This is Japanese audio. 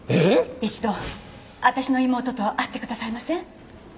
一度私の妹と会ってくださいません？